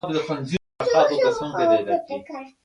يو ډنګر سړی راغی.